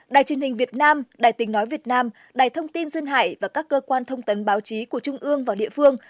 đài truyền hình việt nam đài tình nói việt nam đài thông tin duyên hải và các cơ quan thông tấn báo chí của trung ương và địa phương